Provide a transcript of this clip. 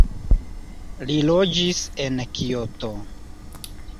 Li loĝis en Kioto.